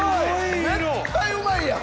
絶対うまいやん！